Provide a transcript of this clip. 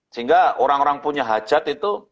sehingga orang orang punya hajat itu